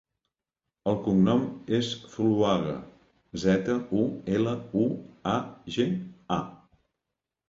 El cognom és Zuluaga: zeta, u, ela, u, a, ge, a.